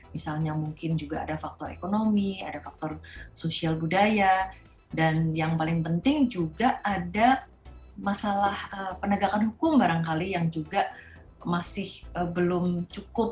misalnya mungkin juga ada faktor ekonomi ada faktor sosial budaya dan yang paling penting juga ada masalah penegakan hukum barangkali yang juga masih belum cukup